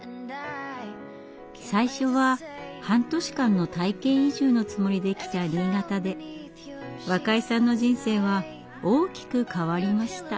最初は半年間の体験移住のつもりで来た新潟で若井さんの人生は大きく変わりました。